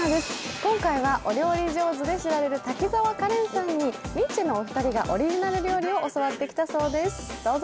今回はお料理上手で知られる滝沢カレンさんにニッチェのお二人がオリジナル料理を教わってきたそうです、どうぞ。